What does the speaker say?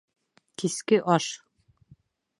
Киске аш